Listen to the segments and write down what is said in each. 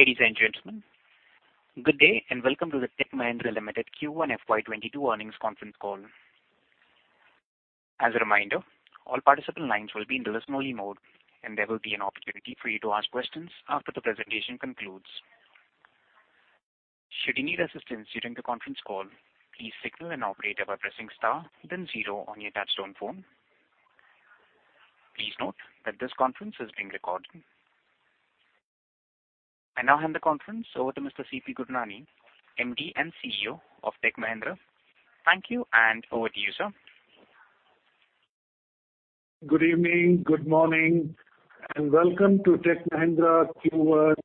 Ladies and gentlemen, good day and welcome to the Tech Mahindra Limited Q1 FY 2022 Earnings Conference Call. As a reminder, all participant lines will be in the listen only mode and there will be an opportunity for you to ask questions after the presentation concludes. Should you need assistance during the conference call, please signal an operator by pressing star then zero on your touch-tone phone. Please note that this conference is being recorded. I now hand the conference over to Mr. C.P. Gurnani, MD and CEO of Tech Mahindra. Thank you and over to you, sir. Good evening, good morning and welcome to Tech Mahindra Q1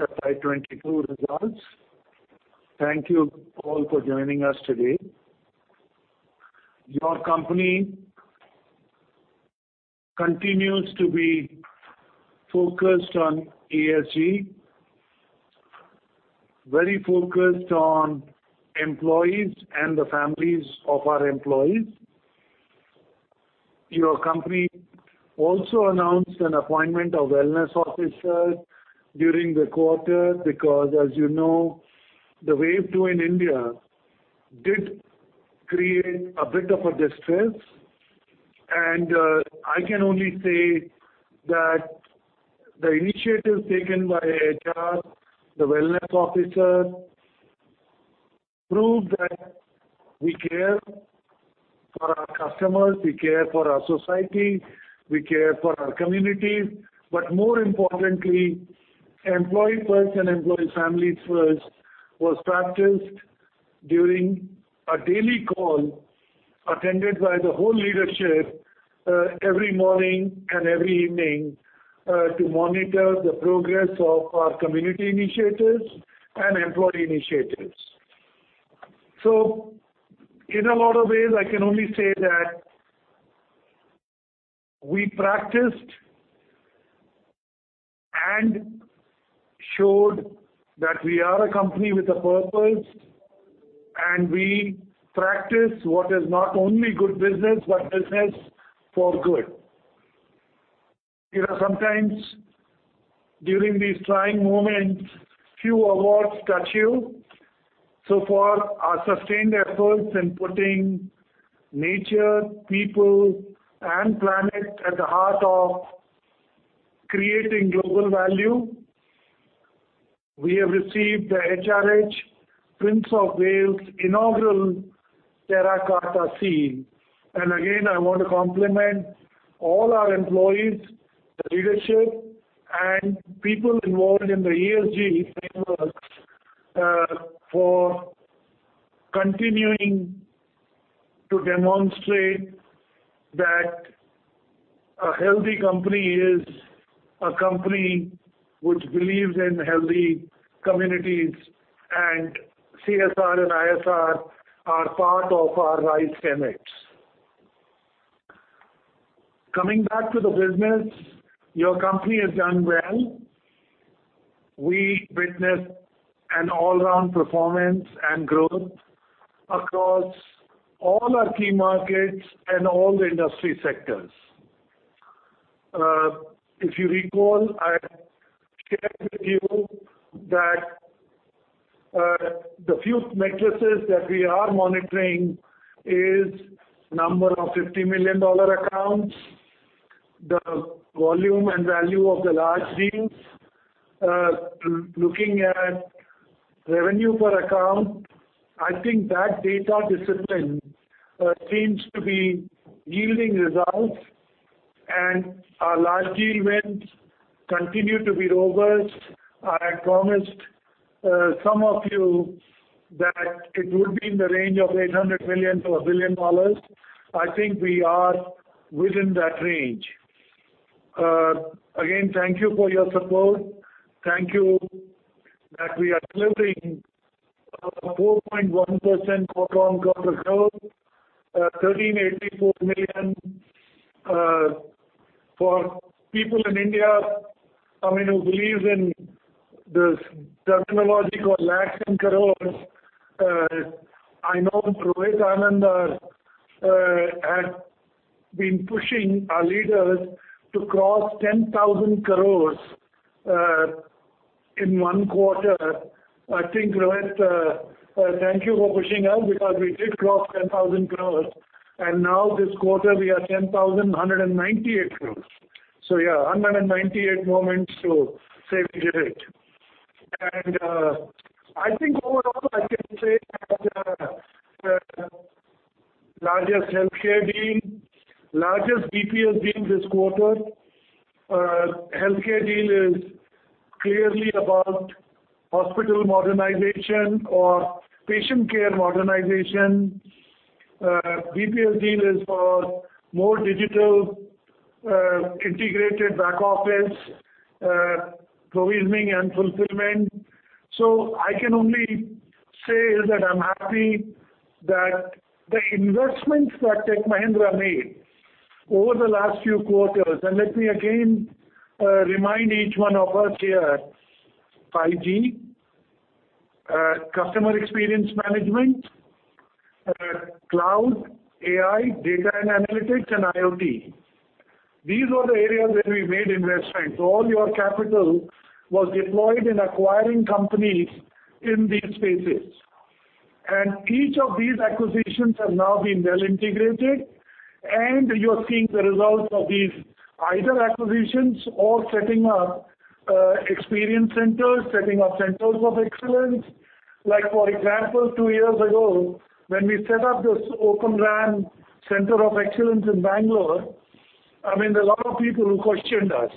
FY 2022 results. Thank you all for joining us today. Your company continues to be focused on ESG. Very focused on employees and the families of our employees. Your company also announced an appointment of wellness officer during the quarter because as you know, the wave two in India did create a bit of a distress. I can only say that the initiatives taken by HR, the wellness officer proved that we care for our customers, we care for our society, we care for our communities, but more importantly, employee first and employee families first was practiced during a daily call attended by the whole leadership every morning and every evening to monitor the progress of our community initiatives and employee initiatives. In a lot of ways, I can only say that we practiced and showed that we are a company with a purpose and we practice what is not only good business but business for good. Sometimes during these trying moments few awards touch you. For our sustained efforts in putting nature, people and planet at the heart of creating global value, we have received the HRH The Prince of Wales' Terra Carta Seal. Again, I want to compliment all our employees, the leadership and people involved in the ESG framework for continuing to demonstrate that a healthy company is a company which believes in healthy communities and CSR and ISR are part of our Rise tenets. Coming back to the business, your company has done well. We witnessed an all-around performance and growth across all our key markets and all the industry sectors. If you recall, I shared with you that the few metrics that we are monitoring is number of INR 50 million accounts, the volume and value of the large deals, looking at revenue per account. I think that data discipline seems to be yielding results and our large deal wins continue to be robust. I promised some of you that it would be in the range of $800 million-$1 billion. I think we are within that range. Again, thank you for your support. Thank you that we are clearing a 4.1% quarter-on-quarter growth, 1,384 million for people in India who believe in this terminology called lakhs and crores. I know Rohit Anand had been pushing our leaders to cross 10,000 crores in one quarter. Rohit, thank you for pushing us because we did cross 10,000 crores and now this quarter we are 10,198 crores. Yeah, 198 moments to say we did it. I think overall I can say that largest healthcare deal, largest BPO deal this quarter. Healthcare deal is clearly about hospital modernization or patient care modernization. BPO deal is for more digital integrated back office provisioning and fulfillment. I can only say is that I'm happy that the investments that Tech Mahindra made over the last few quarters and let me again remind each one of us here, 5G customer experience management, cloud, AI, D&A, and IoT. These are the areas where we made investments. All your capital was deployed in acquiring companies in these spaces. Each of these acquisitions have now been well-integrated, and you are seeing the results of these either acquisitions or setting up experience centers, setting up centers of excellence. For example, two years ago, when we set up this Open RAN Center of Excellence in Bangalore, a lot of people questioned us.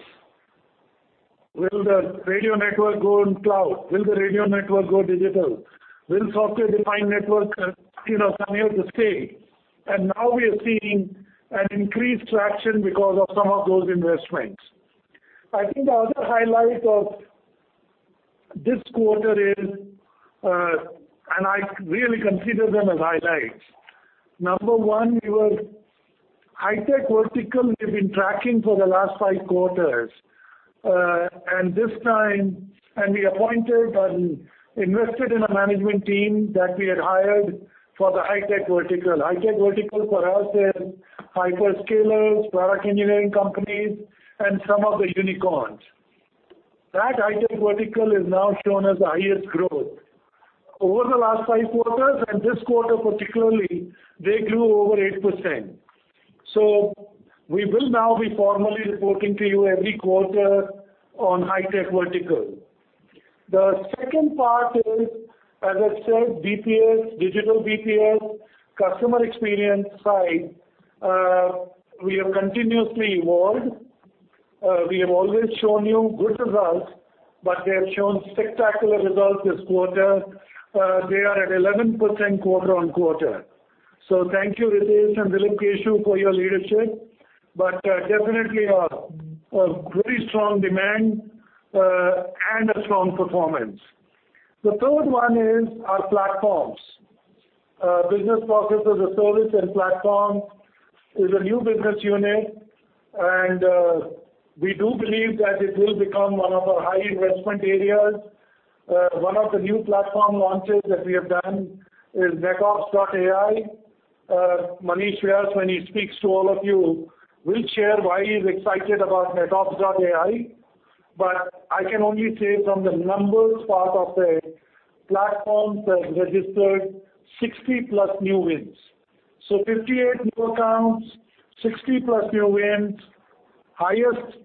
Will the radio network go on cloud? Will the radio network go digital? Will software-defined network come here to stay? Now we are seeing an increased traction because of some of those investments. I think the other highlight of this quarter is, and I really consider them as highlights. Number one, our high-tech vertical we've been tracking for the last five quarters. We appointed and invested in a management team that we had hired for the high-tech vertical. High-tech vertical for us is hyperscalers, product engineering companies, and some of the unicorns. That high-tech vertical has now shown us the highest growth. Over the last five quarters, this quarter particularly, they grew over 8%. We will now be formally reporting to you every quarter on high-tech vertical. The second part is, as I said, BPS, digital BPS, customer experience side, we have continuously evolved. We have always shown you good results, but we have shown spectacular results this quarter. They are at 11% quarter-over-quarter. Thank you, Ritesh and Dilip Keshu for your leadership, but definitely a pretty strong demand and a strong performance. The third one is our platforms. Business process as a service and platform is a new business unit, and we do believe that it will become one of our high investment areas. One of the new platform launches that we have done is netOps.ai. Manish Vyas when he speaks to all of you will share why he's excited about netOps.ai. I can only say from the numbers part of the platforms has registered 60-plus new wins. 58 new accounts, 60+ new wins, highest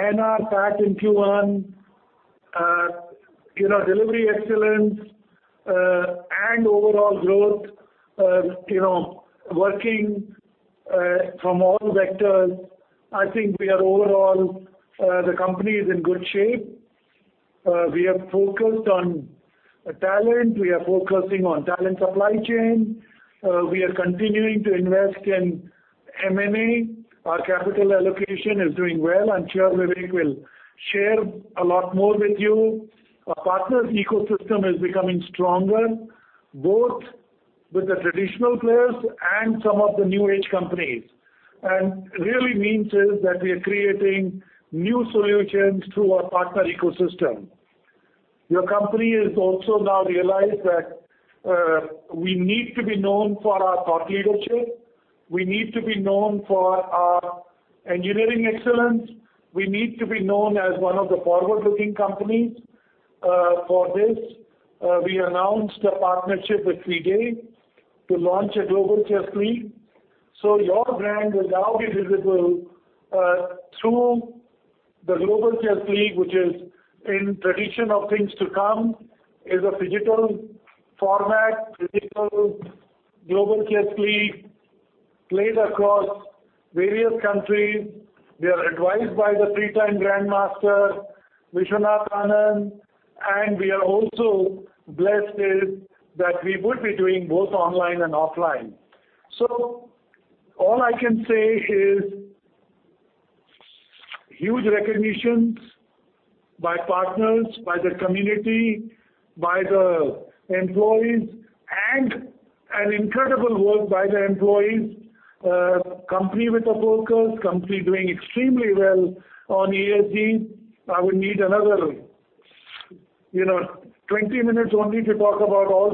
INR PAT in Q1, delivery excellence, and overall growth, working from all vectors. I think overall, the company is in good shape. We are focused on talent. We are focusing on talent supply chain. We are continuing to invest in M&A. Our capital allocation is doing well. I'm sure Vivek will share a lot more with you. Our partners ecosystem is becoming stronger, both with the traditional players and some of the new age companies. Really means is that we are creating new solutions through our partner ecosystem. Your company has also now realized that we need to be known for our thought leadership. We need to be known for our engineering excellence. We need to be known as one of the forward-looking companies. For this, we announced a partnership with FIDE to launch a Global Chess League. Your brand will now be visible through the Global Chess League, which is in tradition of things to come, is a phygital format, physical Global Chess League played across various countries. We are advised by the three-time Grandmaster, Viswanathan Anand, and we are also blessed is that we would be doing both online and offline. All I can say is huge recognitions by partners, by the community, by the employees, and an incredible work by the employees. Company with a focus, company doing extremely well on ESG. I would need another 20 minutes only to talk about all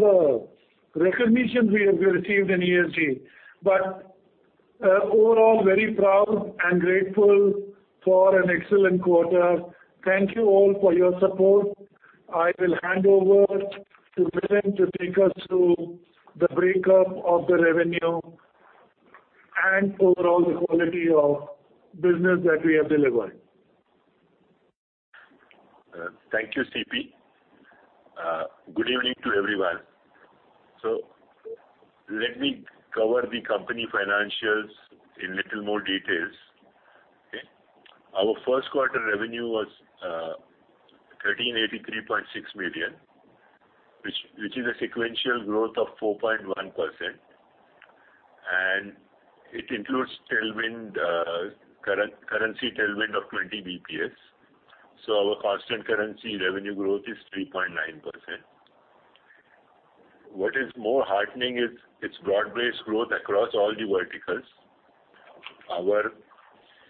the recognitions we have received in ESG. Overall, very proud and grateful for an excellent quarter. Thank you all for your support. I will hand over to Milind to take us through the breakup of the revenue and overall the quality of business that we have delivered. Thank you, C.P. Good evening to everyone. Let me cover the company financials in little more details. Okay. Our first quarter revenue was 1,383.6 million which is a sequential growth of 4.1%, and it includes currency tailwind of 20 basis points. Our constant currency revenue growth is 3.9%. What is more heartening is its broad-based growth across all the verticals. Our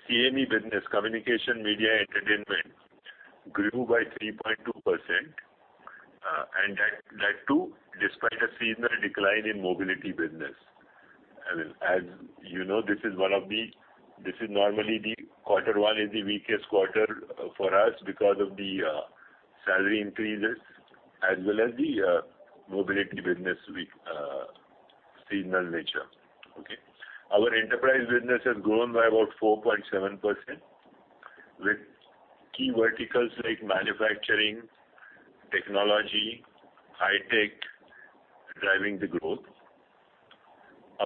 CME business, Communication, Media, and Entertainment, grew by 3.2%, and that too despite a seasonal decline in mobility business. As you know, normally quarter one is the weakest quarter for us because of the salary increases as well as the mobility business seasonal nature. Okay. Our enterprise business has grown by about 4.7%, with key verticals like manufacturing, technology, high-tech driving the growth.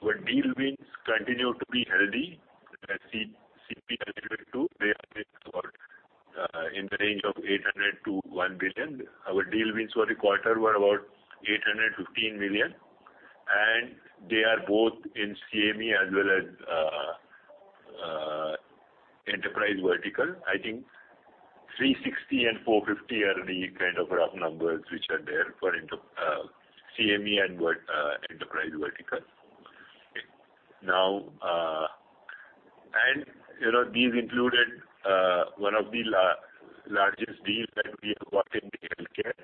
Our deal wins continue to be healthy. As C.P. alluded to, they are in the range of 800 million-1 billion. Our deal wins for the quarter were about 815 million. They are both in CME as well as enterprise vertical. I think 360 million and 450 million are the kind of rough numbers which are there for CME and enterprise vertical. These included one of the largest deals that we have got in the healthcare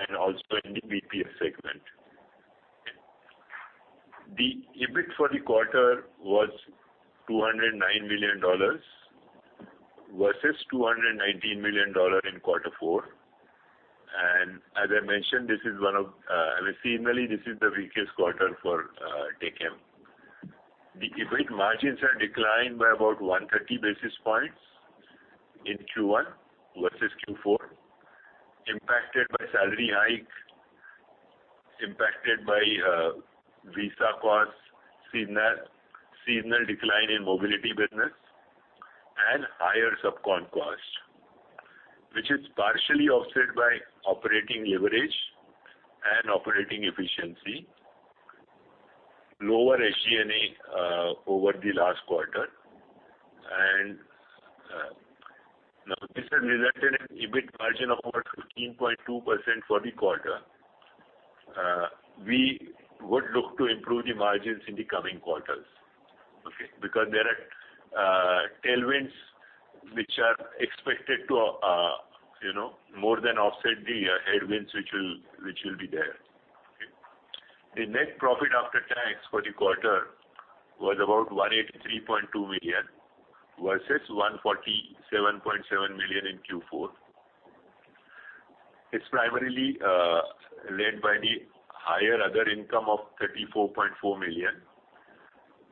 and also in the BPS segment. The EBIT for the quarter was $209 million versus $219 million in quarter four. As I mentioned, seasonally, this is the weakest quarter for Tech M. The EBIT margins have declined by about 130 basis points in Q1 versus Q4, impacted by salary hike, impacted by visa costs, seasonal decline in mobility business, and higher subcon cost, which is partially offset by operating leverage and operating efficiency, lower SG&A over the last quarter. Now this has resulted in EBIT margin of about 15.2% for the quarter. We would look to improve the margins in the coming quarters. Okay. There are tailwinds which are expected to more than offset the headwinds which will be there. The net profit after tax for the quarter was about 183.2 million versus 147.7 million in Q4. It is primarily led by the higher other income of 34.4 million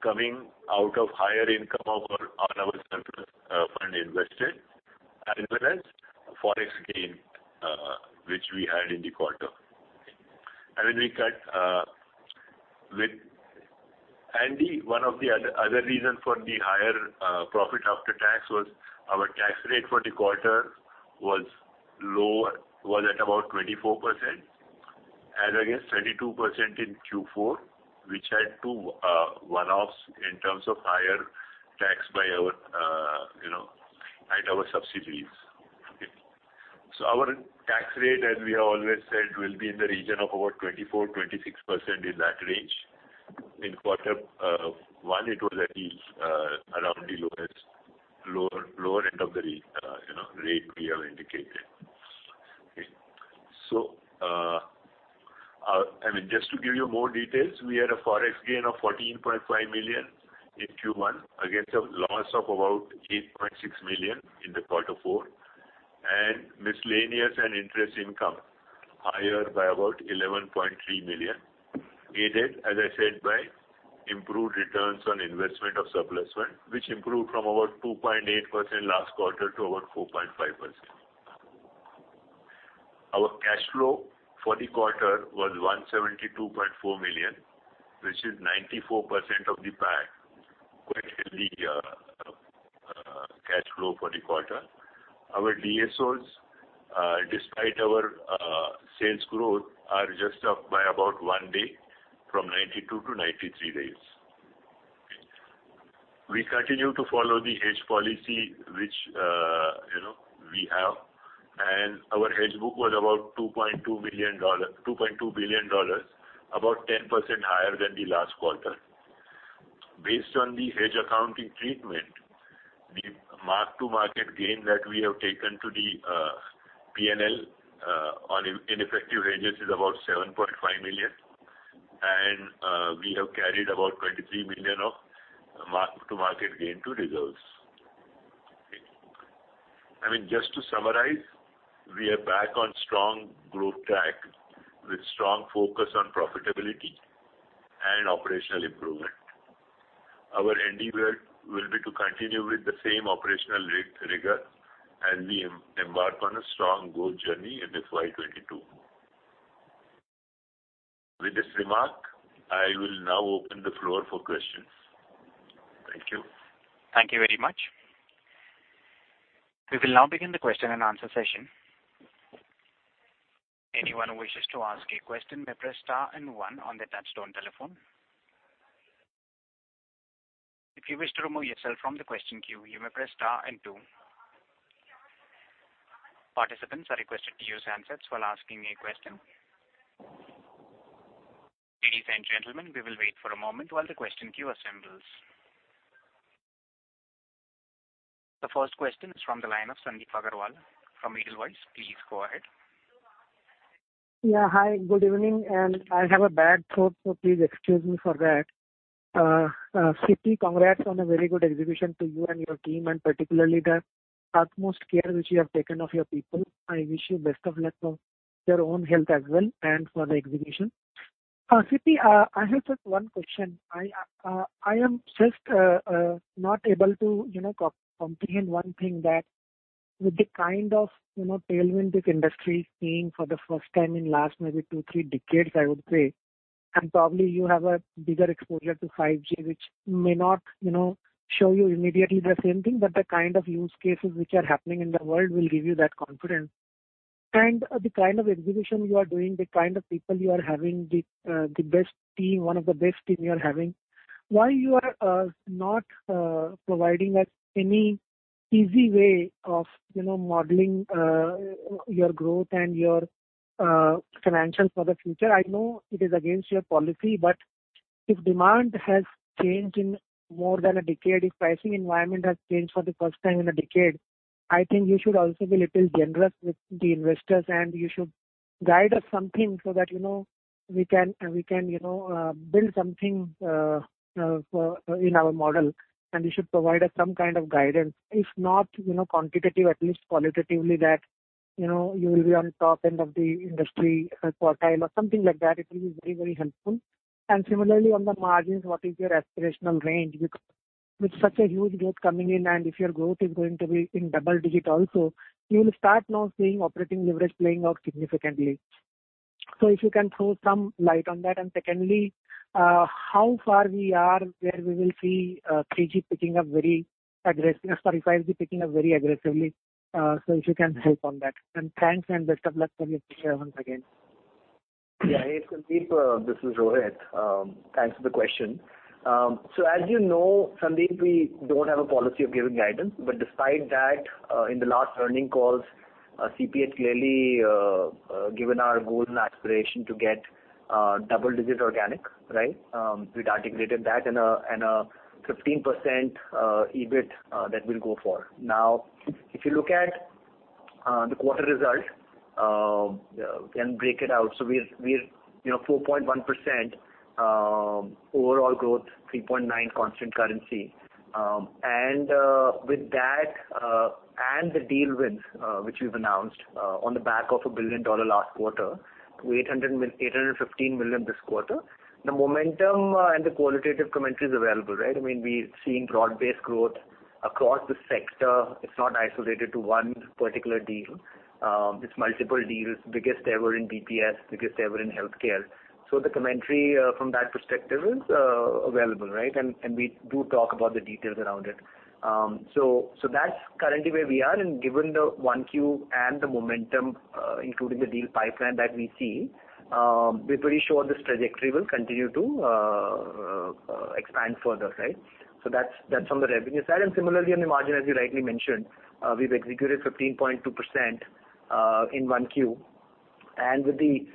coming out of higher income on our surplus fund invested as well as forex gain which we had in the quarter. One of the other reasons for the higher profit after tax was our tax rate for the quarter was at about 24% as against 22% in Q4, which had two one-offs in terms of higher tax at our subsidiaries. Okay. Our tax rate, as we have always said, will be in the region of about 24%-26%, in that range. In Q1, it was around the lower end of the rate we have indicated. Okay. Just to give you more details, we had a Forex gain of 14.5 million in Q1 against a loss of about 8.6 million in the Q4, and miscellaneous and interest income higher by about 11.3 million, aided, as I said, by improved returns on investment of surplus funds, which improved from about 2.8% last quarter to about 4.5%. Our cash flow for the quarter was 172.4 million, which is 94% of the PAT, quite healthy cash flow for the quarter. Our DSOs, despite our sales growth, are just up by about one day from 92-93 days. We continue to follow the hedge policy which we have, and our hedge book was about $2.2 billion, about 10% higher than the last quarter. Based on the hedge accounting treatment, the mark-to-market gain that we have taken to the P&L on ineffective hedges is about $7.5 million, and we have carried about $23 million of mark-to-market gain to reserves. Okay. Just to summarize, we are back on strong growth track with strong focus on profitability and operational improvement. Our endeavor will be to continue with the same operational rigor as we embark on a strong growth journey in FY 2022. With this remark, I will now open the floor for questions. Thank you. Thank you very much. We will now begin the question and answer session. Anyone who wishes to ask a question may press star and one on their touchtone telephone. If you wish to remove yourself from the question queue, you may press star and two. Participants are requested to use handsets while asking a question. Ladies and gentlemen, we will wait for a moment while the question queue assembles. The first question is from the line of Sandip Agarwal from Edelweiss. Please go ahead. Yeah. Hi, good evening. I have a bad throat, so please excuse me for that. C.P., congrats on a very good exhibition to you and your team, particularly the utmost care which you have taken of your people. I wish you best of luck for your own health as well, for the exhibition. C.P., I have just one question. I am just not able to comprehend one thing that with the kind of tailwind this industry is seeing for the first time in last maybe two, three decades, I would say. Probably you have a bigger exposure to 5G, which may not show you immediately the same thing, but the kind of use cases which are happening in the world will give you that confidence. The kind of exhibition you are doing, the kind of people you are having, the best team, one of the best team you're having. Why you are not providing us any easy way of modeling your growth and your financials for the future? I know it is against your policy, but if demand has changed in more than a decade, if pricing environment has changed for the first time in a decade, I think you should also be a little generous with the investors, and you should guide us something so that we can build something in our model. You should provide us some kind of guidance. If not quantitative, at least qualitatively that you will be on top end of the industry quartile or something like that. It will be very helpful. Similarly on the margins, what is your aspirational range? With such a huge growth coming in and if your growth is going to be in double-digit also, you'll start now seeing operating leverage playing out significantly. If you can throw some light on that. Secondly, how far we are where we will see Sorry, 5G picking up very aggressively. If you can help on that. Thanks and best of luck for your future once again. Hey, Sandip, this is Rohit. Thanks for the question. As you know, Sandip, we don't have a policy of giving guidance. Despite that, in the last earning calls, C.P. has clearly given our goal and aspiration to get double-digit organic. Right? We'd articulated that and a 15% EBIT that we'll go for. If you look at the quarter results, we can break it out. We're 4.1% overall growth, 3.9% constant currency. With that and the deal wins, which we've announced, on the back of a billion-dollar last quarter to $815 million this quarter. The momentum and the qualitative commentary is available, right? We've seen broad-based growth across the sector. It's not isolated to one particular deal. It's multiple deals. Biggest ever in BPS, biggest ever in healthcare. The commentary from that perspective is available, right? We do talk about the details around it. That's currently where we are. Given the one Q and the momentum, including the deal pipeline that we see, we're pretty sure this trajectory will continue to expand further. Right? That's from the revenue side. Similarly, on the margin, as you rightly mentioned, we've executed 15.2% in one Q. With the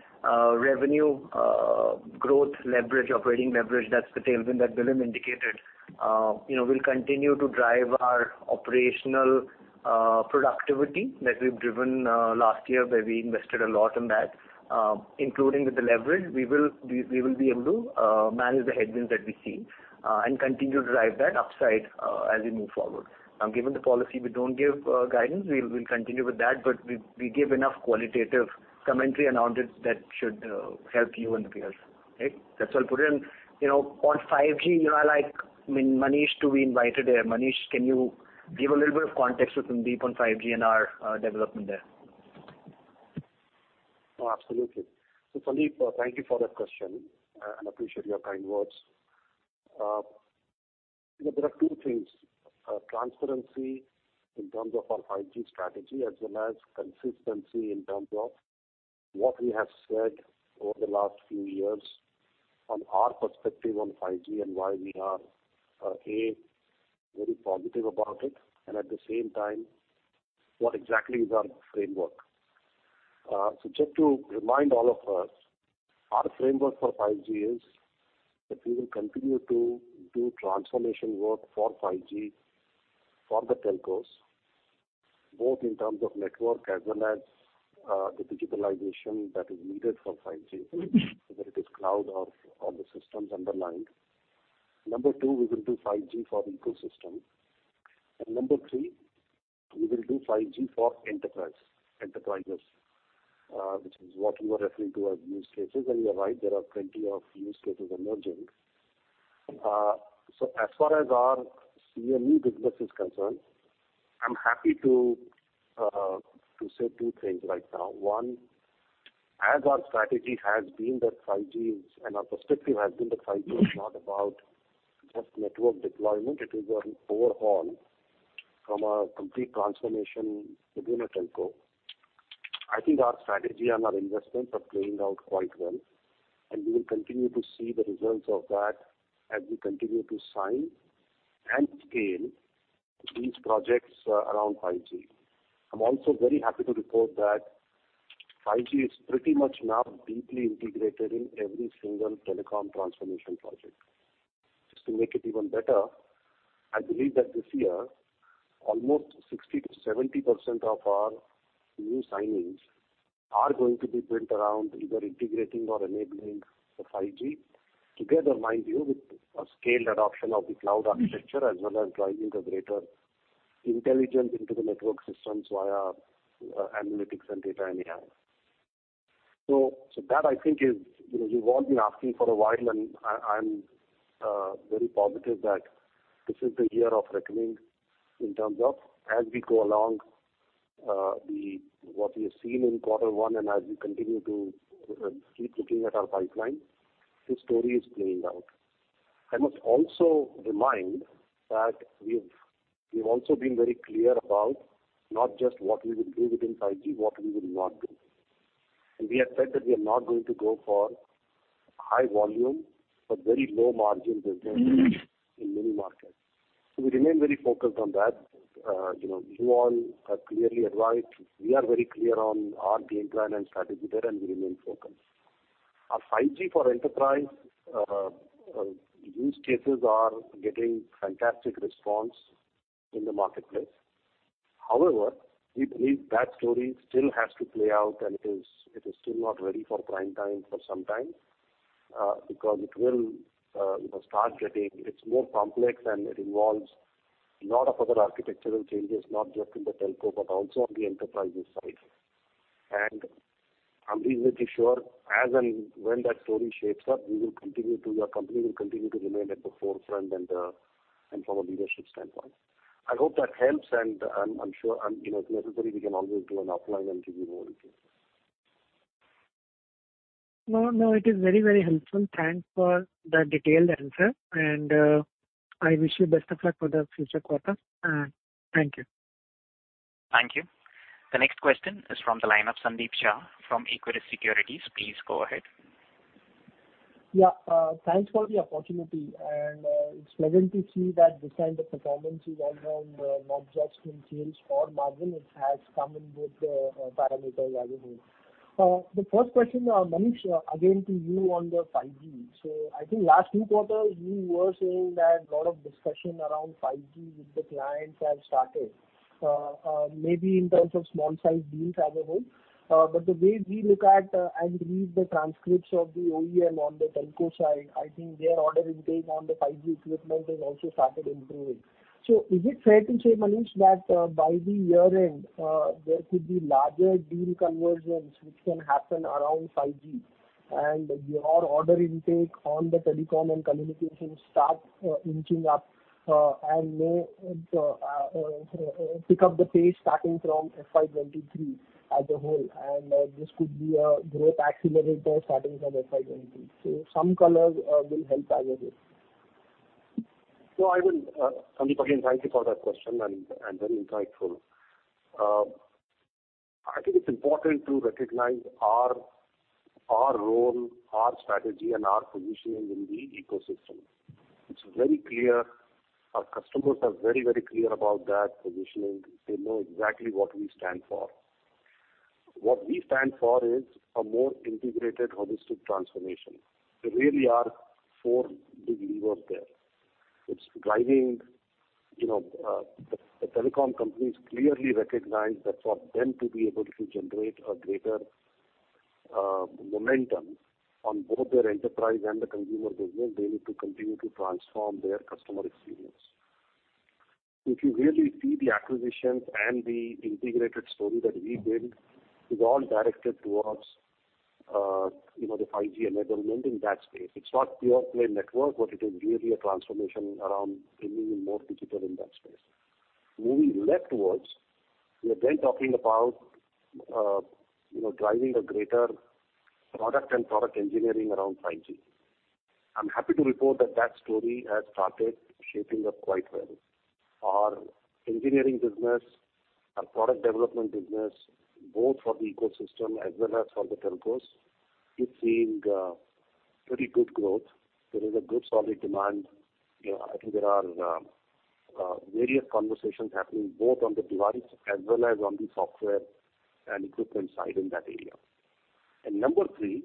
revenue growth leverage, operating leverage, that's the tailwind that [inaudible] indicated. We'll continue to drive our operational productivity that we've driven last year, where we invested a lot in that. Including with the leverage, we will be able to manage the headwinds that we see and continue to drive that upside as we move forward. Now, given the policy, we don't give guidance. We'll continue with that. We give enough qualitative commentary around it that should help you and the peers. Right? That's how I'll put it in. On 5G, I'd like Manish to be invited here. Manish, can you give a little bit of context with Sandip on 5G and our development there? Absolutely. Sandip, thank you for that question. I appreciate your kind words. There are two things. Transparency in terms of our 5G strategy as well as consistency in terms of what we have said over the last few years on our perspective on 5G and why we are, A, very positive about it and at the same time, what exactly is our framework. Just to remind all of us, our framework for 5G is that we will continue to do transformation work for 5G for the telcos, both in terms of network as well as the digitalization that is needed for 5G, whether it is cloud or the systems underlined. Number two, we will do 5G for ecosystem. Number three, we will do 5G for enterprises which is what you are referring to as use cases. You're right, there are plenty of use cases emerging. As far as our CME business is concerned, I am happy to say two things right now. One, as our strategy has been that 5G is, and our perspective has been that 5G is not about just network deployment, it is an overhaul from a complete transformation within a telco. I think our strategy and our investments are playing out quite well, and we will continue to see the results of that as we continue to sign and scale these projects around 5G. I am also very happy to report that 5G is pretty much now deeply integrated in every single telecom transformation project. Just to make it even better, I believe that this year, almost 60%-70% of our new signings are going to be built around either integrating or enabling the 5G together, mind you, with a scaled adoption of the cloud architecture as well as driving the greater intelligence into the network systems via analytics and data and AI. That I think is, you've all been asking for a while, and I'm very positive that this is the year of reckoning in terms of as we go along, what we have seen in quarter one and as we continue to keep looking at our pipeline, this story is playing out. I must also remind that we've also been very clear about not just what we will do within 5G, what we will not do. We have said that we are not going to go for high volume, but very low margin business in many markets. We remain very focused on that. You all have clearly advised. We are very clear on our game plan and strategy there, and we remain focused. Our 5G for enterprise use cases are getting fantastic response in the marketplace. However, we believe that story still has to play out, and it is still not ready for prime time for some time, because it's more complex and it involves a lot of other architectural changes, not just in the telco, but also on the enterprises side. I'm reasonably sure as and when that story shapes up, the company will continue to remain at the forefront and from a leadership standpoint. I hope that helps, and I'm sure, if necessary, we can always do an offline and give you more details. No, it is very, very helpful. Thanks for the detailed answer, and I wish you best of luck for the future quarter. Thank you. Thank you. The next question is from the line of Sandeep Shah from Equirus Securities. Please go ahead. Yeah, thanks for the opportunity. It's pleasant to see that this time the performance is all around, not just in sales or margin, it has come in both parameters as a whole. The first question, Manish, again to you on the 5G. I think last few quarters you were saying that lot of discussion around 5G with the clients have started, maybe in terms of small-size deals as a whole. The way we look at and read the transcripts of the OEM on the telco side, I think their order intake on the 5G equipment has also started improving. Is it fair to say, Manish, that by the year-end, there could be larger deal conversions which can happen around 5G and your order intake on the telecom and communication start inching up, and may pick up the pace starting from FY 2023 as a whole, and this could be a growth accelerator starting from FY 2023? Some colors will help as a whole. Sandeep, again, thank you for that question, and very insightful. I think it's important to recognize our role, our strategy, and our positioning in the ecosystem. It's very clear, our customers are very, very clear about that positioning. They know exactly what we stand for. What we stand for is a more integrated, holistic transformation. There really are four big levers there. The telecom companies clearly recognize that for them to be able to generate a greater momentum on both their enterprise and the consumer business, they need to continue to transform their customer experience. If you really see the acquisitions and the integrated story that we build, is all directed towards the 5G enablement in that space. It's not pure play network, but it is really a transformation around being even more digital in that space. We are talking about driving a greater product and product engineering around 5G. I'm happy to report that story has started shaping up quite well. Our engineering business, our product development business, both for the ecosystem as well as for the telcos, is seeing pretty good growth. There is a good, solid demand. I think there are various conversations happening both on the device as well as on the software and equipment side in that area. Number three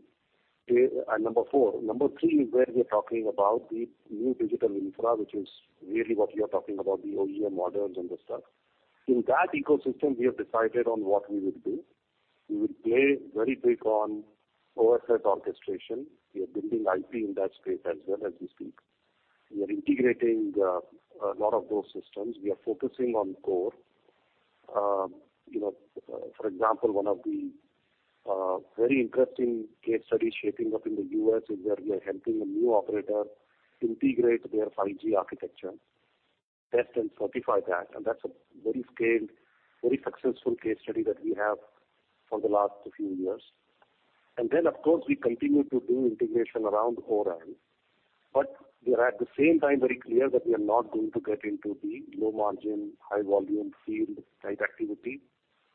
is where we're talking about the new digital infra, which is really what we are talking about, the OEM models and the stack. In that ecosystem, we have decided on what we would do. We would play very big on orchestrator orchestration. We are building IP in that space as well as we speak. We are integrating a lot of those systems. We are focusing on core. For example, one of the very interesting case studies shaping up in the U.S. is where we are helping a new operator integrate their 5G architecture, test, and certify that. That's a very scaled, very successful case study that we have for the last few years. Of course, we continue to do integration around O-RAN. We are at the same time very clear that we are not going to get into the low margin, high volume field type activity,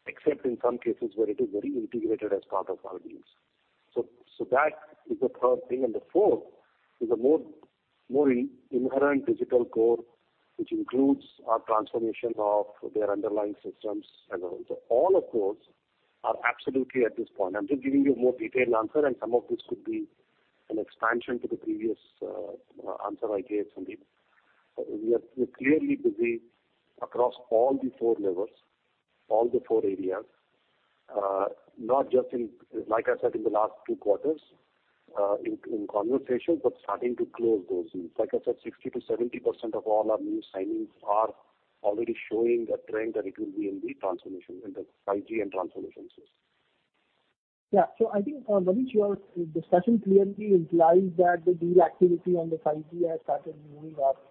except in some cases where it is very integrated as part of our deals. That is the third thing. The fourth is a more inherent digital core, which includes our transformation of their underlying systems as a whole. All of those are absolutely at this point. I'm just giving you a more detailed answer, and some of this could be an expansion to the previous answer I gave, Sandeep. We're clearly busy across all the four levers, all the four areas. Not just in, like I said, in the last two quarters in conversation, but starting to close those deals. Like I said, 60%-70% of all our new signings are already showing a trend that it will be in the 5G and transformation space. Yeah. I think, Manish, your discussion clearly implies that the deal activity on the 5G has started moving up.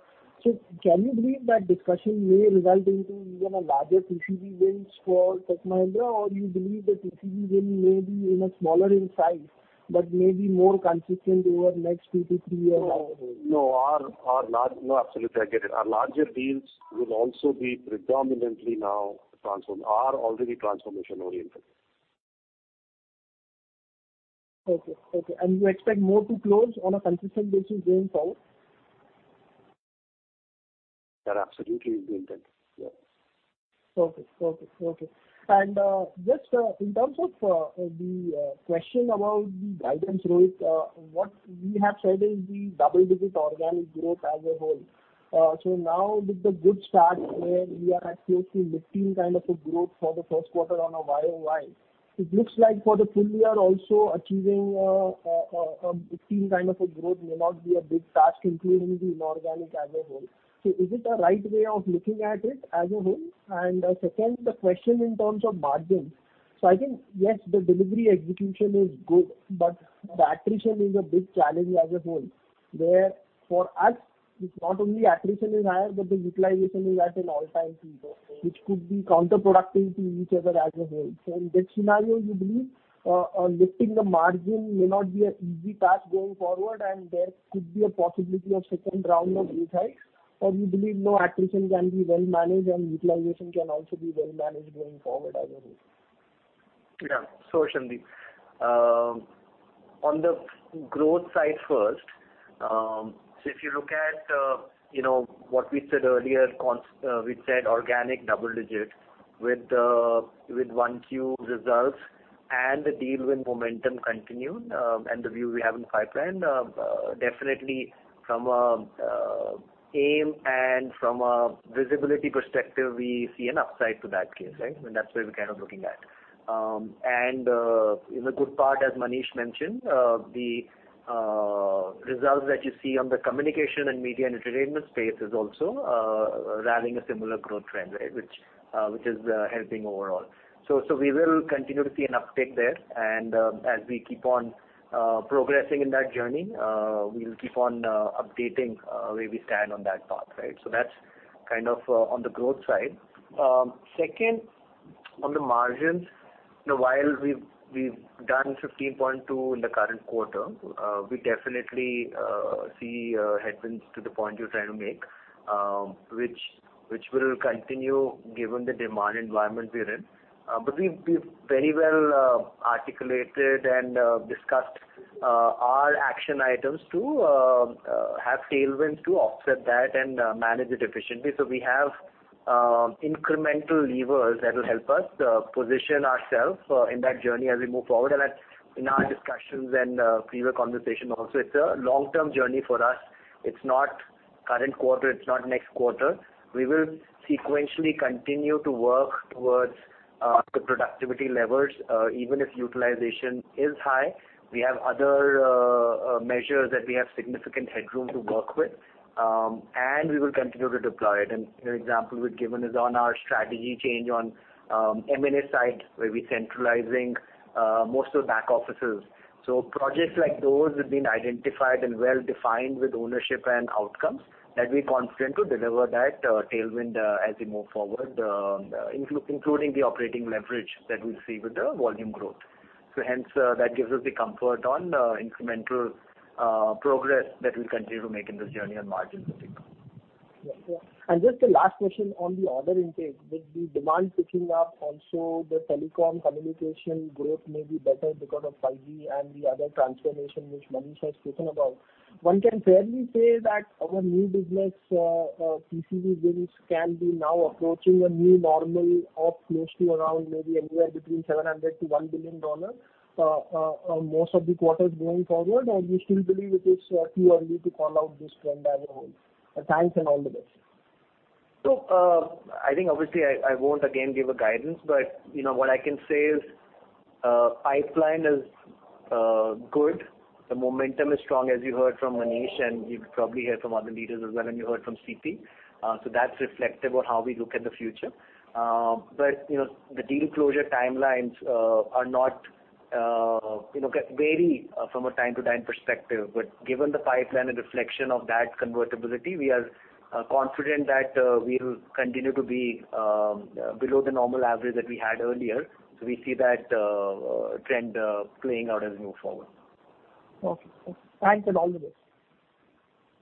Can you believe that discussion may result into even larger TCV wins for Tech Mahindra? Or you believe the TCV win may be smaller in size, but may be more consistent over next two-three years? No, absolutely. I get it. Our larger deals will also be predominantly now are already transformation oriented. Okay. You expect more to close on a consistent basis going forward? That absolutely is the intent, yeah. Okay. Just in terms of the question about the guidance, Rohit, what we have said is the double-digit organic growth as a whole. Now with the good start where we are at close to 15 kind of a growth for the first quarter on a YoY. It looks like for the full year also achieving a 15 kind of a growth may not be a big task, including the inorganic as a whole. Is it the right way of looking at it as a whole? Second, the question in terms of margins. I think, yes, the delivery execution is good, but the attrition is a big challenge as a whole. Where for us, it's not only attrition is higher, but the utilization is at an all-time peak, which could be counterproductive to each other as a whole. In that scenario, you believe lifting the margin may not be an easy task going forward and there could be a possibility of second round of hikes. You believe no attrition can be well managed and utilization can also be well managed going forward as a whole? Yeah. Sure, Sandeep. On the growth side first. If you look at what we said earlier, we said organic double digit with one Q results and the deal win momentum continued, and the view we have in the pipeline. Definitely from an aim and from a visibility perspective, we see an upside to that case. That's where we're kind of looking at. The good part, as Manish mentioned, the results that you see on the Communications, Media, and Entertainment space is also rallying a similar growth trend, which is helping overall. We will continue to see an uptick there. As we keep on progressing in that journey, we'll keep on updating where we stand on that path. That's kind of on the growth side. Second, on the margins, while we've done 15.2 in the current quarter, we definitely see headwinds to the point you're trying to make, which will continue given the demand environment we're in. We've very well articulated and discussed our action items to have tailwinds to offset that and manage it efficiently. We have incremental levers that will help us position ourselves in that journey as we move forward. In our discussions and previous conversation also, it's a long-term journey for us. It's not current quarter, it's not next quarter. We will sequentially continue to work towards the productivity levers. Even if utilization is high, we have other measures that we have significant headroom to work with. We will continue to deploy it. An example we've given is on our strategy change on M&A side, where we centralizing most of the back offices. Projects like those have been identified and well-defined with ownership and outcomes that we're confident to deliver that tailwind as we move forward, including the operating leverage that we'll see with the volume growth. Hence, that gives us the comfort on incremental progress that we'll continue to make in this journey on margins as we go. Yeah. Just a last question on the order intake. With the demand picking up, also the telecom communication growth may be better because of 5G and the other transformation which Manish has spoken about. One can fairly say that our new business TCV wins can be now approaching a new normal of close to around maybe anywhere between $700 million-$1 billion on most of the quarters going forward, or you still believe it is too early to call out this trend as a whole? Thanks, and all the best. I think obviously I won't again give a guidance, but what I can say is pipeline is good. The momentum is strong, as you heard from Manish, and you could probably hear from other leaders as well, and you heard from C.P. That's reflective of how we look at the future. The deal closure timelines vary from a time-to-time perspective. Given the pipeline and reflection of that convertibility, we are confident that we'll continue to be below the normal average that we had earlier. We see that trend playing out as we move forward. Okay. Thanks, and all the best.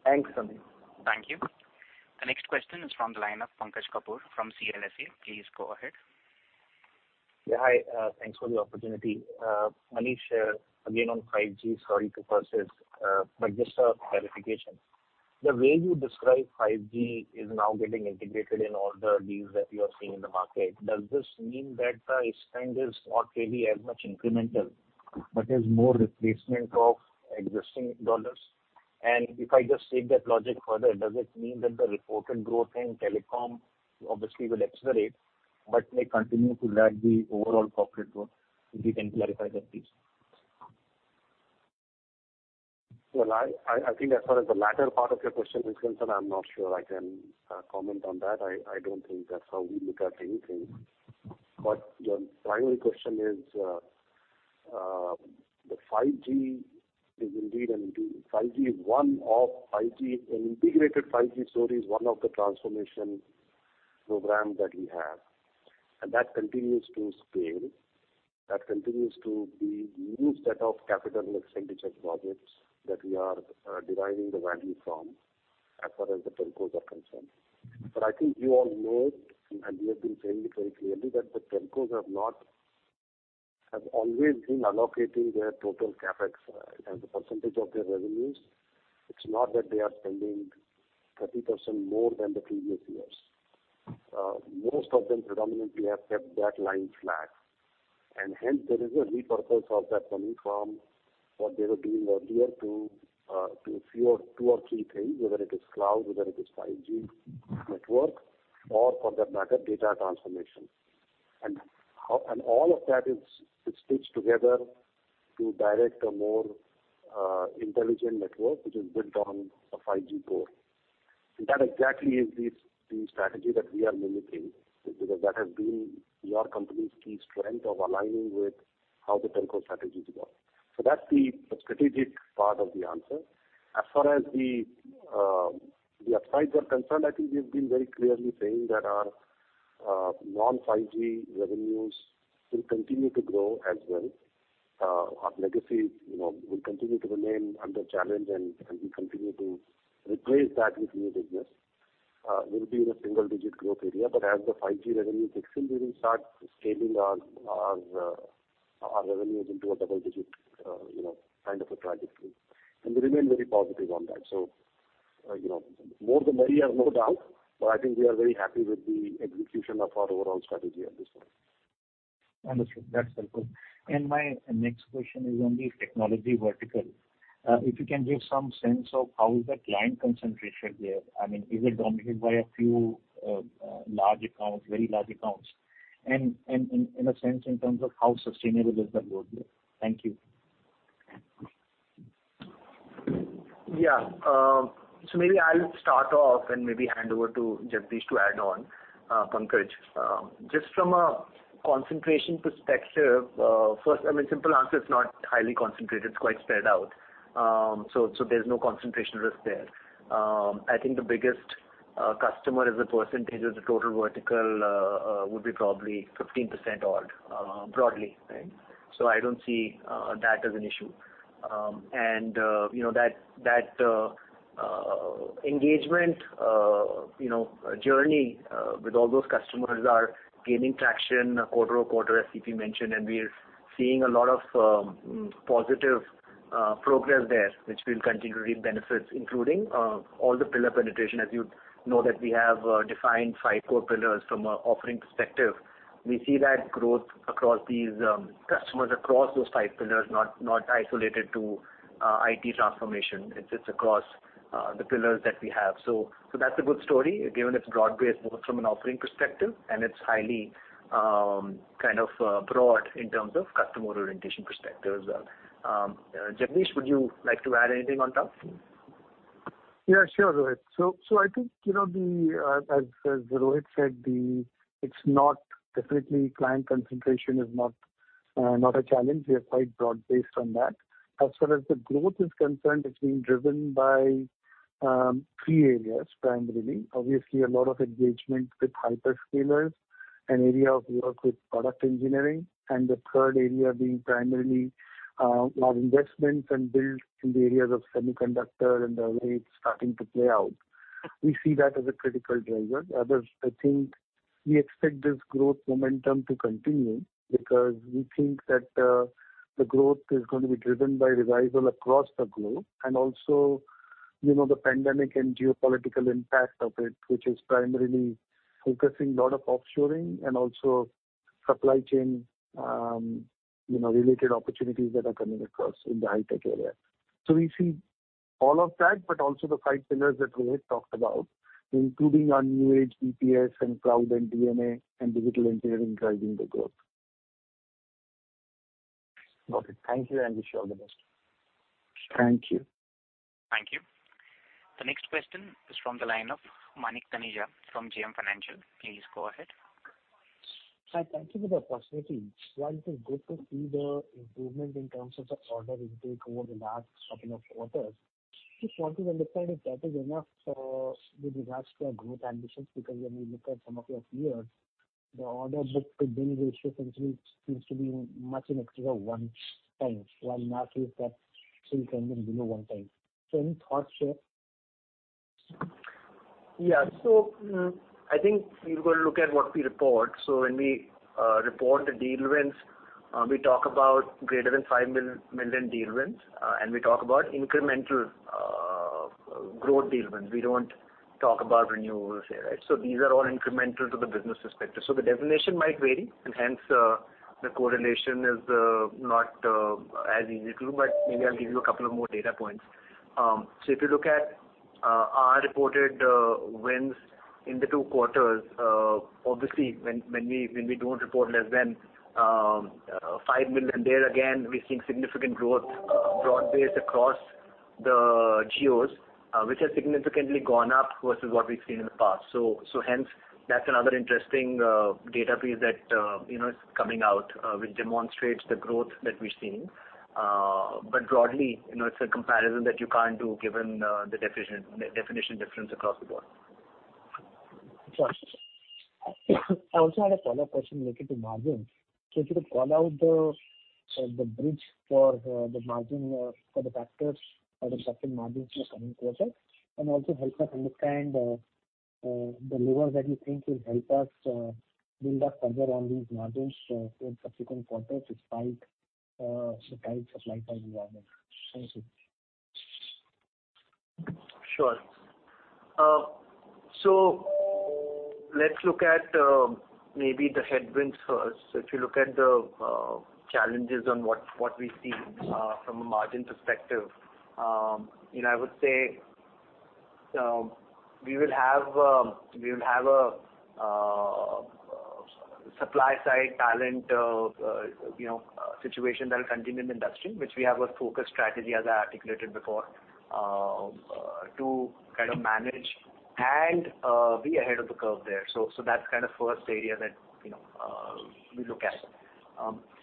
Thanks, Sandeep. Thank you. The next question is from the line of Pankaj Kapoor from CLSA. Please go ahead. Yeah. Hi. Thanks for the opportunity. Manish, again, on 5G. Sorry to persist, but just a clarification. The way you describe 5G is now getting integrated in all the deals that you are seeing in the market. Does this mean that the spend is not really as much incremental, but is more replacement of existing INR? If I just take that logic further, does it mean that the reported growth in telecom obviously will accelerate but may continue to lag the overall corporate growth? If you can clarify that, please. Well, I think as far as the latter part of your question is concerned, I'm not sure I can comment on that. I don't think that's how we look at anything. Your primary question is, the 5G. An integrated 5G story is one of the transformation programs that we have, and that continues to scale. That continues to be a new set of capital expenditure projects that we are deriving the value from, as far as the telcos are concerned. I think you all know it, and we have been saying it very clearly, that the telcos have always been allocating their total CapEx as a percentage of their revenues. It's not that they are spending 30% more than the previous years. Most of them predominantly have kept that line flat. Hence there is a repurpose of that coming from what they were doing earlier to two or three things, whether it is cloud, whether it is 5G network or for that matter, data transformation. All of that is stitched together to direct a more intelligent network, which is built on a 5G core. That exactly is the strategy that we are mimicking, because that has been your company's key strength of aligning with how the telco strategies work. That's the strategic part of the answer. As far as the upsides are concerned, I think we've been very clearly saying that our non-5G revenues will continue to grow as well. Our legacy will continue to remain under challenge, and we continue to replace that with new business. We'll be in a single-digit growth area, but as the 5G revenues excel, we will start scaling our revenues into a double digit kind of a trajectory. We remain very positive on that. More the merrier, no doubt, I think we are very happy with the execution of our overall strategy at this point. Understood. That's helpful. My next question is on the technology vertical. If you can give some sense of how is the client concentration there. Is it dominated by a few large accounts, very large accounts? In a sense, in terms of how sustainable is the load there? Thank you. Maybe I'll start off and maybe hand over to Jagdish to add on, Pankaj. Just from a concentration perspective. First, simple answer, it's not highly concentrated. It's quite spread out. There's no concentration risk there. I think the biggest customer as a percentage of the total vertical would be probably 15% odd, broadly. I don't see that as an issue. That engagement journey with all those customers are gaining traction quarter-on-quarter, as C.P. mentioned, and we are seeing a lot of positive progress there, which will continue to reap benefits, including all the pillar penetration. As you know that we have defined five core pillars from a offering perspective. We see that growth across these customers, across those five pillars, not isolated to IT transformation. It's across the pillars that we have. That's a good story given its broad base, both from an offering perspective and it's highly broad in terms of customer orientation perspective as well. Jagdish, would you like to add anything on top? Yeah, sure, Rohit. I think, as Rohit said, definitely client concentration is not a challenge. We are quite broad-based on that. As far as the growth is concerned, it's being driven by three areas, primarily. Obviously, a lot of engagement with hyperscalers, an area of work with product engineering, and the third area being primarily our investments and builds in the areas of semiconductor and the way it's starting to play out. We see that as a critical driver. I think we expect this growth momentum to continue because we think that the growth is going to be driven by revival across the globe. Also, the pandemic and geopolitical impact of it, which is primarily focusing lot of offshoring and also supply chain-related opportunities that are coming across in the high tech area. We see all of that, but also the five pillars that Rohit talked about, including our new age BPS and cloud and D&A and digital engineering driving the growth. Got it. Thank you and wish you all the best. Thank you. Thank you. The next question is from the line of Manik Taneja from JM Financial. Please go ahead. Hi. Thank you for the opportunity. While it is good to see the improvement in terms of the order intake over the last couple of quarters, I just wanted to understand if that is enough with regards to your growth ambitions, because when we look at some of your peers, the order book-to-billing ratio essentially seems to be much in excess of one time, while last year it was at still trending below one time. Any thoughts here? Yeah. I think you've got to look at what we report. When we report the deal wins, we talk about greater than $5 million deal wins, and we talk about incremental growth deal wins. We don't talk about renewals here. These are all incremental to the business perspective. The definition might vary, and hence, the correlation is not as easy to do. Maybe I'll give you a couple of more data points. If you look at our reported wins in the two quarters, obviously when we don't report less than $5 million, there again, we're seeing significant growth broad-based across the geos, which has significantly gone up versus what we've seen in the past. Hence, that's another interesting data piece that is coming out, which demonstrates the growth that we're seeing. Broadly, it's a comparison that you can't do given the definition difference across the board. Got it. I also had a follow-up question related to margins. If you could call out the bridge for the margin for the factors or the certain margins for the coming quarter, and also help us understand the levers that you think will help us build up further on these margins in subsequent quarters despite the tight supply side environment. Thank you. Sure. Let's look at maybe the headwinds first. If you look at the challenges on what we've seen from a margin perspective, I would say we will have a supply-side talent situation that will continue in the industry, which we have a focused strategy, as I articulated before, to manage and be ahead of the curve there. That's the first area that we look at.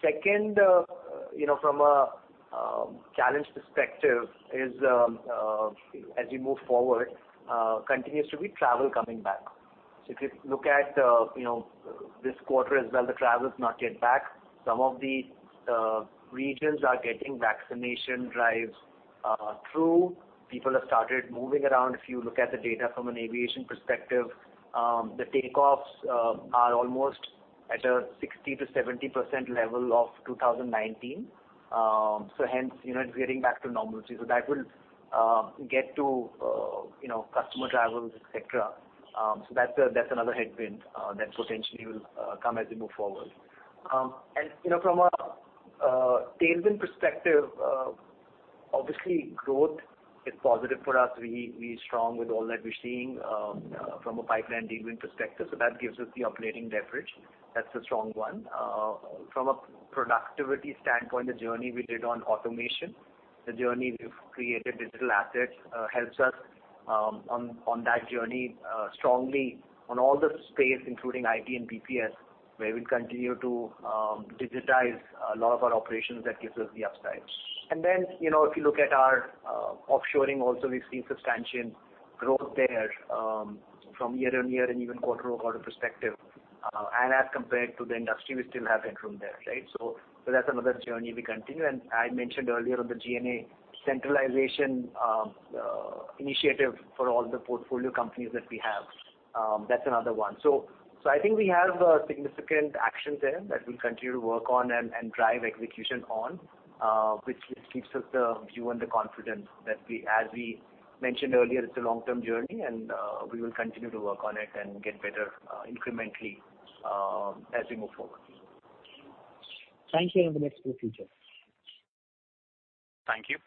Second, from a challenge perspective is, as we move forward, continues to be travel coming back. If you look at this quarter as well, the travel's not yet back. Some of the regions are getting vaccination drives through. People have started moving around. If you look at the data from an aviation perspective, the takeoffs are almost at a 60%-70% level of 2019. Hence, it's getting back to normalcy. That will get to customer travels, et cetera. That's another headwind that potentially will come as we move forward. From a tailwind perspective, obviously growth is positive for us. We're strong with all that we're seeing from a pipeline deal win perspective. That gives us the operating leverage. That's a strong one. From a productivity standpoint, the journey we did on automation, the journey we've created digital assets, helps us on that journey strongly on all the space, including IT and BPS, where we'll continue to digitize a lot of our operations. That gives us the upside. Then, if you look at our offshoring also, we've seen substantial growth there from year-on-year and even quarter-on-quarter perspective. As compared to the industry, we still have headroom there. That's another journey we continue. I had mentioned earlier on the G&A centralization initiative for all the portfolio companies that we have. That's another one. I think we have significant actions there that we'll continue to work on and drive execution on, which gives us the view and the confidence that as we mentioned earlier, it's a long-term journey, and we will continue to work on it and get better incrementally as we move forward. Thank you, and the best for the future. Thank you.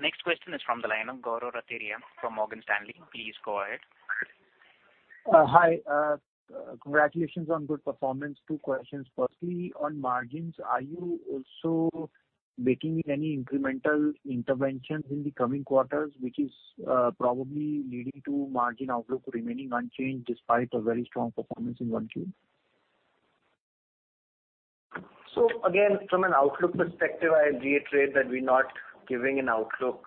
Next question is from the line of Gaurav Rateria from Morgan Stanley. Please go ahead. Hi. Congratulations on good performance. Two questions. On margins, are you also making any incremental interventions in the coming quarters, which is probably leading to margin outlook remaining unchanged despite a very strong performance in 1Q? Again, from an outlook perspective, I reiterate that we're not giving an outlook.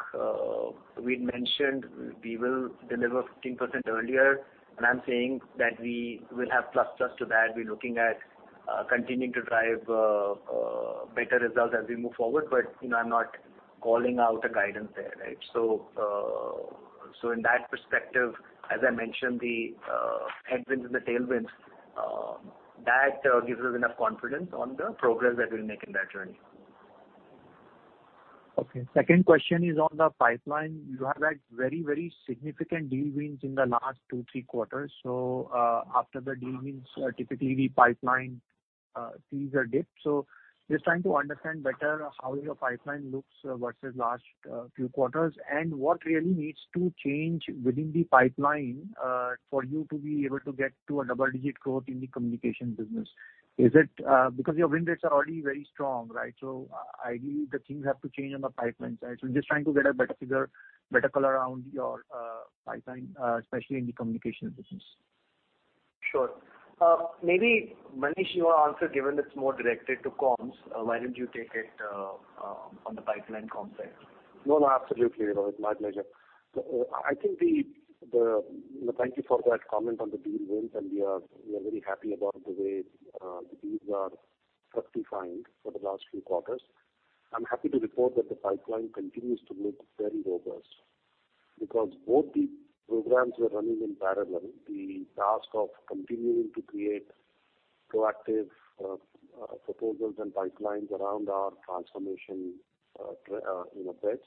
We'd mentioned we will deliver 15% earlier, and I'm saying that we will have plus plus to that. We're looking at continuing to drive better results as we move forward. I'm not calling out a guidance there. In that perspective, as I mentioned, the headwinds and the tailwinds, that gives us enough confidence on the progress that we'll make in that journey. Okay. Second question is on the pipeline. You have had very, very significant deal wins in the last two, three quarters. After the deal wins, typically the pipeline sees a dip. Just trying to understand better how your pipeline looks versus last few quarters, and what really needs to change within the pipeline for you to be able to get to a double-digit growth in the Communications business. Your win rates are already very strong. Ideally, the things have to change on the pipeline side. Just trying to get a better figure, better color around your pipeline, especially in the Communications business. Sure. Maybe Manish, you answer, given it's more directed to comms. Why don't you take it on the pipeline comms side? No, absolutely. It's my pleasure. Thank you for that comment on the deal wins, and we are very happy about the way the deals are justifying for the last few quarters. I'm happy to report that the pipeline continues to look very robust because both the programs were running in parallel. The task of continuing to create proactive proposals and pipelines around our transformation bets.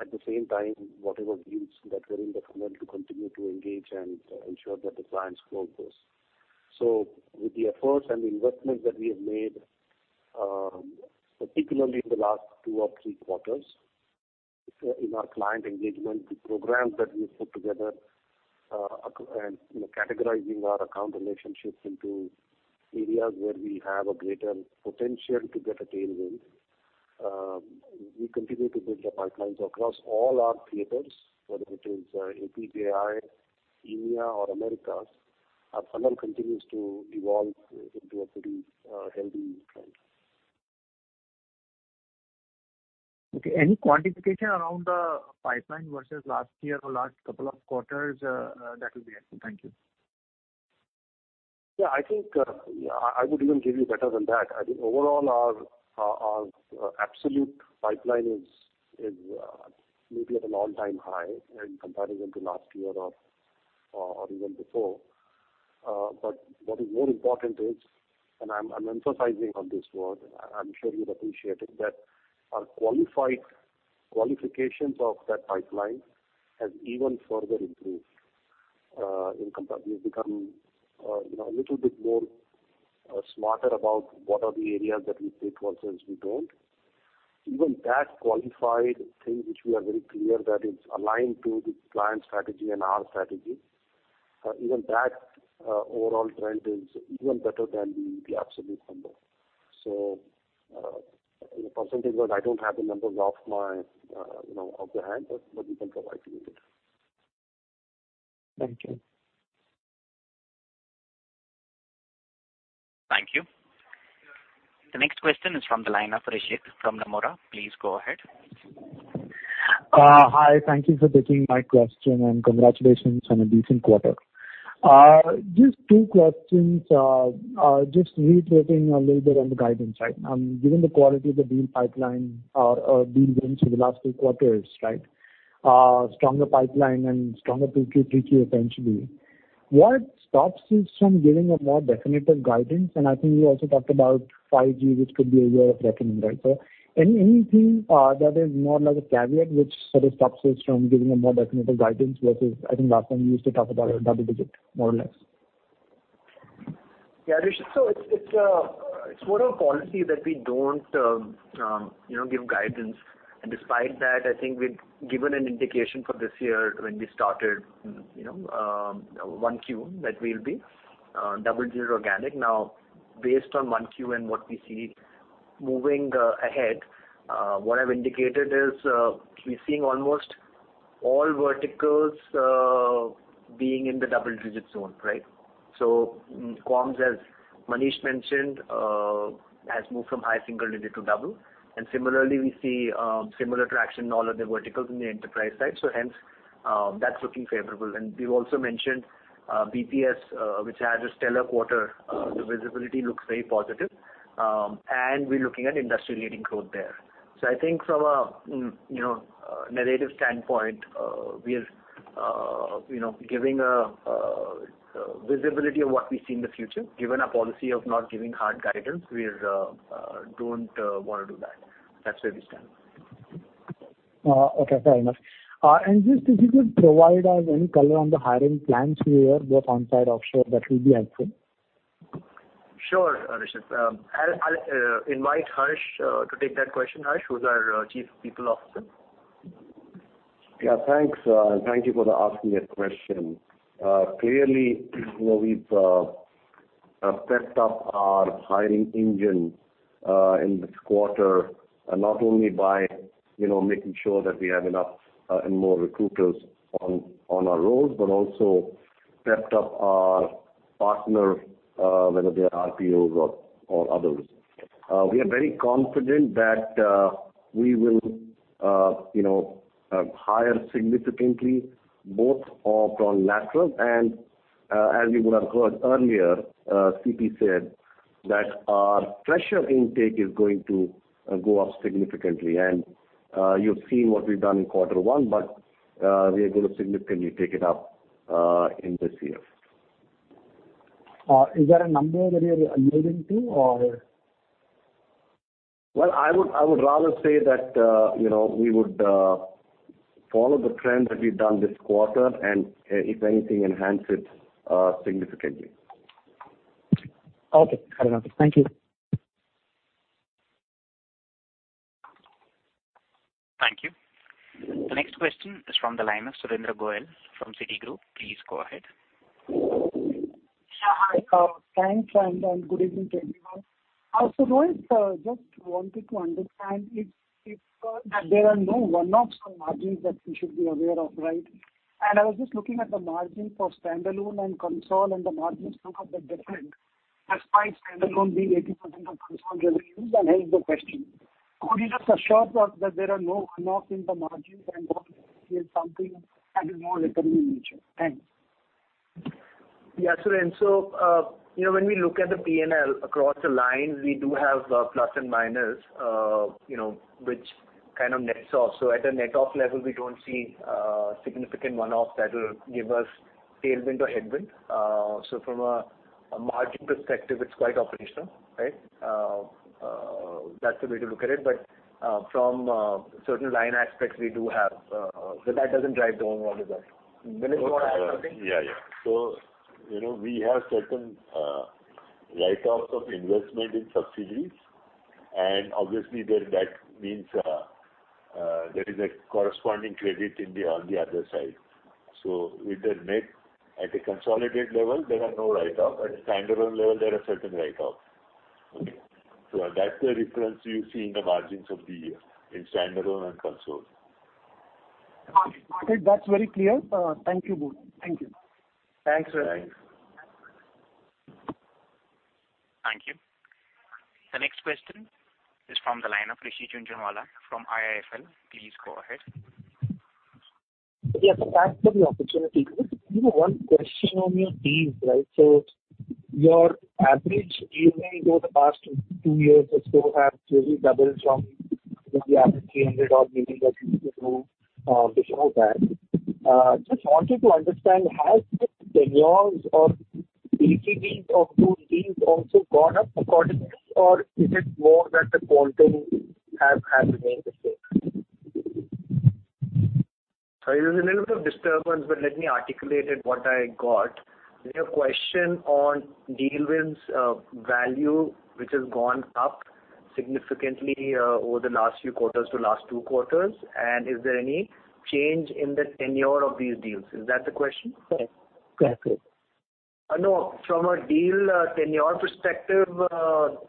At the same time, whatever deals that were in the funnel to continue to engage and ensure that the clients close those. With the efforts and the investments that we have made, particularly in the last two or three quarters in our client engagement programs that we put together and categorizing our account relationships into areas where we have a greater potential to get a tailwind. We continue to build the pipelines across all our theaters, whether it is APJ, EMEA, or Americas. Our funnel continues to evolve into a pretty healthy trend. Okay. Any quantification around the pipeline versus last year or last couple of quarters? That will be helpful. Thank you. Yeah. I think I would even give you better than that. I think overall our absolute pipeline is maybe at an all-time high in comparison to last year or even before. What is more important is, and I'm emphasizing on this word, I'm sure you'll appreciate it, that our qualifications of that pipeline has even further improved. We've become a little bit smarter about what are the areas that we take versus we don't. Even that qualified thing, which we are very clear that it's aligned to the client strategy and our strategy, even that overall trend is even better than the absolute number. In percentage-wise, I don't have the numbers off my hand, but we can provide to you later. Thank you. Thank you. The next question is from the line of [inaudible] from Nomura. Please go ahead. Hi. Thank you for taking my question, and congratulations on a decent quarter. Just two questions. Just reiterating a little bit on the guidance side. Given the quality of the deal pipeline or deal wins over the last few quarters. Stronger pipeline and stronger 2Q, 3Q potentially. What stops you from giving a more definitive guidance? I think you also talked about 5G, which could be a way of reckoning, right? Anything that is more like a caveat, which sort of stops us from giving a more definitive guidance versus, I think last time you used to talk about a double-digit, more or less. Yeah. [inaudible] It's more a policy that we don't give guidance. Despite that, I think we've given an indication for this year when we started 1Q that we'll be double-digit organic. Based on 1Q and what we see moving ahead, what I've indicated is we're seeing almost all verticals being in the double-digit zone. Right? Comms, as Manish mentioned, has moved from high single-digit to double. Similarly, we see similar traction in all other verticals in the enterprise side. Hence, that's looking favorable. We've also mentioned BPS, which had a stellar quarter. The visibility looks very positive, and we're looking at industry-leading growth there. I think from a narrative standpoint, we are giving a visibility of what we see in the future. Given our policy of not giving hard guidance, we don't want to do that .That's where we stand. Okay, fair enough. Just if you could provide us any color on the hiring plans for the year, both onsite, offshore, that will be helpful. Sure. [inaudible] I'll invite Harsh to take that question. Harsh, who's our Chief People Officer. Thanks. Thank you for asking that question. Clearly, we've stepped up our hiring engine in this quarter, not only by making sure that we have enough and more recruiters on our rolls, but also stepped up our partner, whether they are RPOs or others. We are very confident that we will hire significantly both from lateral and, as you would have heard earlier, C.P. said that our fresher intake is going to go up significantly. You've seen what we've done in quarter one, but we are going to significantly take it up in this year. Is there a number that you're alluding to? Well, I would rather say that we would follow the trend that we've done this quarter and if anything, enhance it significantly. Okay. Fair enough. Thank you. Thank you. The next question is from the line of Surendra Goyal from Citigroup. Please go ahead. Yeah. Hi. Thanks, and good evening to everyone. Rohit, just wanted to understand if that there are no one-offs or margins that we should be aware of. Right? And I was just looking at the margin for standalone and consolidated, and the margins look a bit different despite standalone being 80% of consolidated revenues, and hence the question. Could you just assure us that there are no one-offs in the margins and something is more recurring in nature. Thanks. Yeah, sure. When we look at the P&L across the lines, we do have plus and minus which kind of nets off. At the net off level, we don't see a significant one-off that will give us tailwind or headwind. From a margin perspective, it's quite operational. That's the way to look at it. From certain line aspects, we do have. That doesn't drive the overall result. Manish, you want to add something? We have certain write-offs of investment in subsidiaries, and obviously that means there is a corresponding credit on the other side. With the net at a consolidated level, there are no write-off. At a standalone level, there are certain write-off. Okay? That's the difference you see in the margins of the year in standalone and console. Okay. That's very clear. Thank you both. Thank you. Thanks. Thanks. Thank you. The next question is from the line of Rishi Jhunjhunwala from IIFL. Please go ahead. Yeah, thanks for the opportunity. One question on your deals. Your average deal win over the past two years or so have really doubled from the average INR 800 odd million that you used to do before that. Just wanted to understand, has the tenures or deals or those deals also gone up accordingly? Or is it more that the content have remained the same? Sorry, there's a little bit of disturbance, but let me articulate it what I got. We have a question on deal wins value, which has gone up significantly over the last few quarters to last two quarters. Is there any change in the tenure of these deals? Is that the question? Correct. No. From a deal tenure perspective,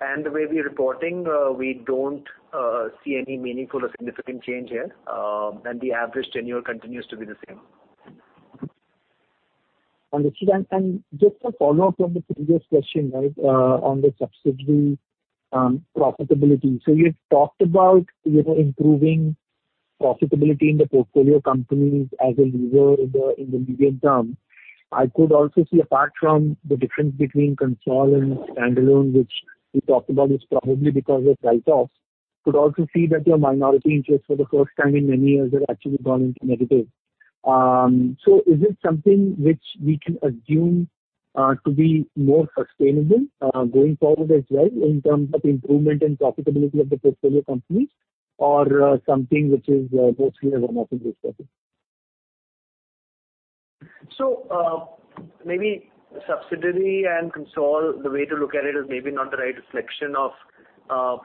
and the way we're reporting, we don't see any meaningful or significant change here. The average tenure continues to be the same. Just a follow-up from the previous question on the subsidiary profitability. You've talked about improving profitability in the portfolio companies as a lever in the medium-term. I could also see apart from the difference between console and standalone, which we talked about, is probably because of write-offs. Could also see that your minority interest for the first time in many years have actually gone into negative. Is this something which we can assume to be more sustainable going forward as well in terms of improvement in profitability of the portfolio companies, or something which is mostly a one-off in this quarter? Maybe subsidiary and consol, the way to look at it is maybe not the right reflection of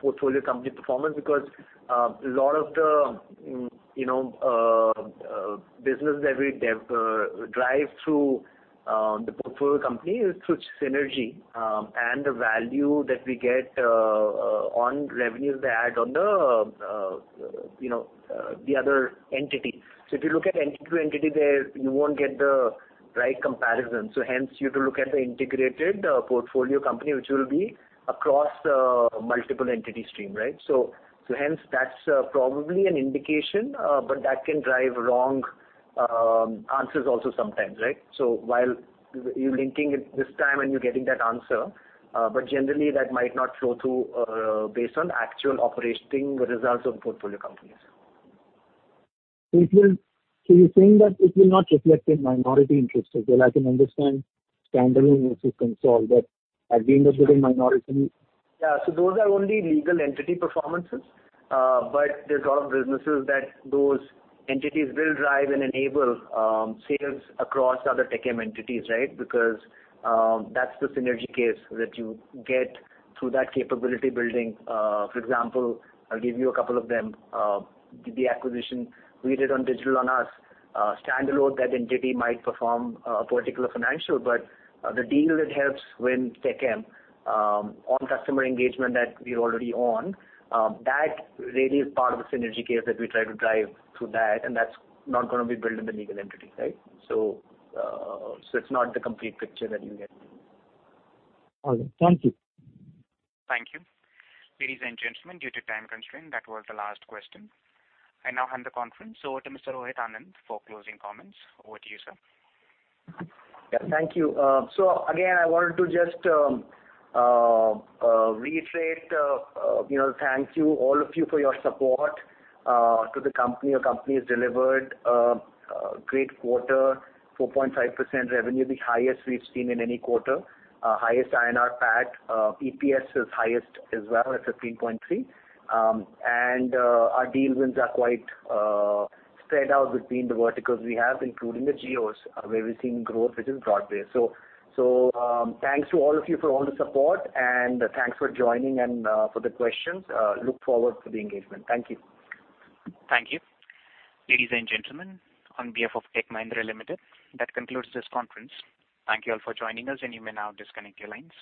portfolio company performance because a lot of the business that we drive through the portfolio company is through synergy and the value that we get on revenues they add on the other entity. If you look at entity to entity there, you won't get the right comparison. Hence, you have to look at the integrated portfolio company, which will be across a multiple entity stream. Hence, that's probably an indication, but that can drive wrong answers also sometimes. While you're linking it this time and you're getting that answer, but generally that might not flow through based on actual operating results of portfolio companies. You're saying that it will not reflect in minority interest as well. I can understand standalone versus console, but at the end of the day. Yeah. Those are only legal entity performances. There's a lot of businesses that those entities will drive and enable sales across other Tech M entities. That's the synergy case that you get through that capability building. For example, I'll give you a couple of them. The acquisition we did on DigitalOnUs, standalone, that entity might perform a particular financial, but the deal it helps win Tech M on customer engagement that we're already on. That really is part of the synergy case that we try to drive through that, and that's not going to be built in the legal entity. It's not the complete picture that you get. All good. Thank you. Thank you. Ladies and gentlemen, due to time constraint, that was the last question. I now hand the conference over to Mr. Rohit Anand for closing comments. Over to you, sir. Thank you. Again, I wanted to just reiterate thank you, all of you, for your support to the company. Our company has delivered a great quarter, 4.5% revenue, the highest we've seen in any quarter. Highest INR PAT. EPS is highest as well at 15.3. Our deal wins are quite spread out between the verticals we have, including the geos where we're seeing growth, which is broad-based. Thanks to all of you for all the support, and thanks for joining and for the questions. Look forward to the engagement. Thank you. Thank you. Ladies and gentlemen, on behalf of Tech Mahindra Limited, that concludes this conference. Thank you all for joining us and you may now disconnect your lines.